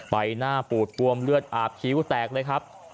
ใบหน้าปูดปวมเลือดอาบคิ้วแตกเลยครับ